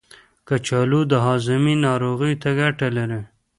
کچالو د هاضمې ناروغیو ته ګټه لري.